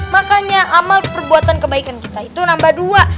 makanya amal perbuatan kebaikan kita itu nambah dua